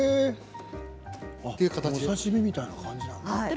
お刺身みたいな感じなんだ。